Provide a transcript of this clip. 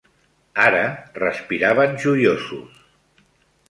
Ara respiraven joiosos.